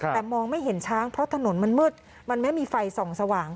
แต่มองไม่เห็นช้างเพราะถนนมันมืดมันไม่มีไฟส่องสว่าง